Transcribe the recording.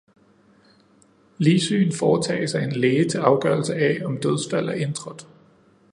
Ligsyn foretages af en læge til afgørelse af, om dødsfald er indtrådt